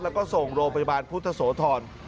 แล้วก็ส่งโรงพยาบาลพุทธโสธร